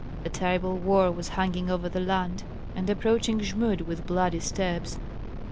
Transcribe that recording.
A terrible war was hanging over the land, and approaching Jmud with bloody steps.